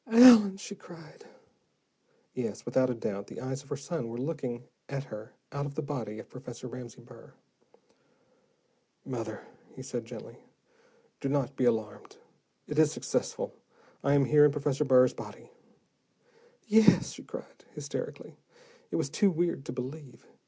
"Allen," she cried. Yes, without doubt, the eyes of her son were looking at her out of the body of Professor Ramsey Burr. "Mother," he said gently. "Don't be alarmed. It is successful. I am here, in Professor Burr's body." "Yes," she cried, hysterically. It was too weird to believe.